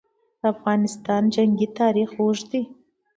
د افغانستان جنګي تاریخ اوږد دی.